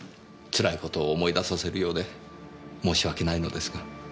つらい事を思い出させるようで申し訳ないのですが。